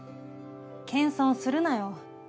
謙遜するなよ。